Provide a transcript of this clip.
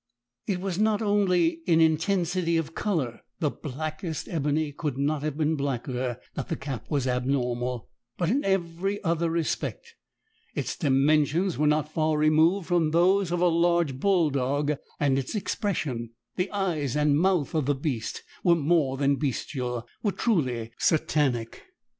It was not only in intensity of colour (the blackest ebony could not have been blacker) that the cat was abnormal, but in every other respect; its dimensions were not far removed from those of a large bull dog, and its expression the eyes and mouth of the beast were more than bestial was truly Satanic.